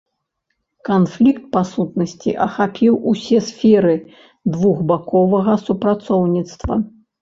Канфлікт па сутнасці ахапіў усе сферы двухбаковага супрацоўніцтва.